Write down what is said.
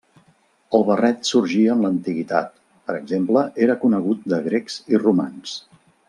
El barret sorgí en l'antiguitat; per exemple, era conegut de grecs i romans.